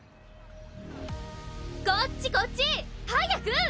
こっちこっち！早く！